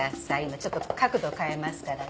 ちょっと角度変えますからね。